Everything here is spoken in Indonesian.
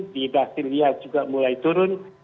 di bahteria juga mulai turun